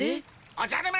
おじゃる丸！